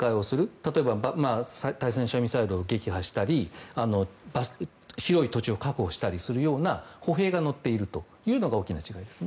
例えば対戦車ミサイルを撃破したり広い土地を確保したりするような歩兵が乗っているというのが大きな違いです。